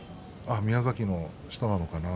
宮崎の人なのかな？